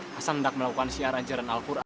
hasan tak melakukan siaran jalan al quran